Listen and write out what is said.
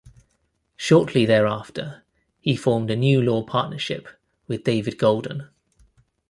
Shortly thereafter, he formed a new law partnership with David Golden.